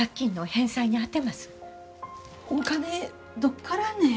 お金どっからね？